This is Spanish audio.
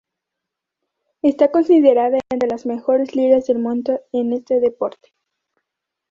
Esta considerada entre las mejores ligas del mundo en este deporte.